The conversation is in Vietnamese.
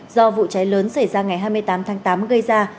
do vụ cháy lớn xảy ra ngày hai mươi tám tháng tám gây ra